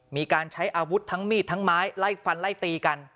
มีการใช้อาวุธทั้งมีดทั้งไม้ไล่ฟันไล่ตีกัน